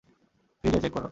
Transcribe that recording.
ফ্রিজে, চেক করো।